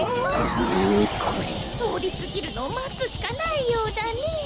とおりすぎるのをまつしかないようだねえ。